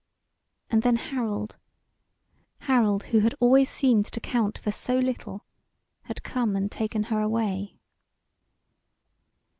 And then Harold Harold who had always seemed to count for so little, had come and taken her away.